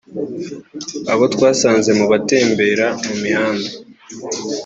abo twasanze mu batembera mu mihanda